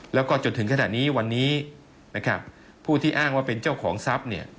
แล้วก็จนถึงขนาดนี้วันนี้ผู้ที่อ้างว่าเป็นเจ้าของทรัพย์